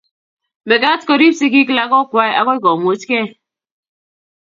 mekat koriib sigiik lagok kwak agoi komuch gei